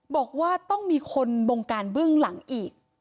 บอกว่าต้องมีคนบงการเบื้องหลังอีก